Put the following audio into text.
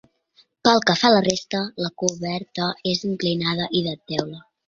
Pel que fa a la resta, la coberta és inclinada i de teula.